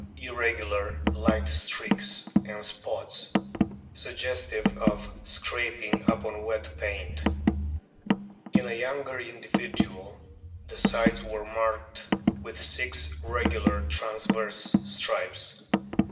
286 A BOOK OR WHALES irregular light streaks and spots suggestive of scrapings upon wet paint. In a younger individual the sides were marked with six regular transverse O stripes.